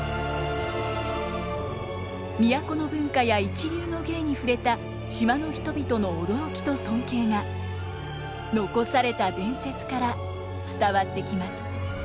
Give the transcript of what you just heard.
都の文化や一流の芸に触れた島の人々の驚きと尊敬が残された伝説から伝わってきます。